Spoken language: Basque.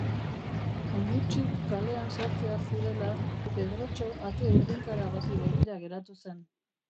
Oinutsik kalean sartzear zirela Pedrotxo ate urdinkara bati begira geratu zen.